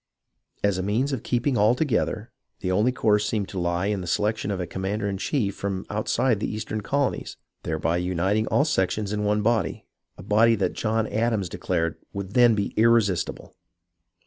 As a means of keeping all together, the only course seemed to lie in the selection of a commander in chief from out side the eastern colonies, thereby uniting all sections in one body, a body that John Adams declared would then be irresistible.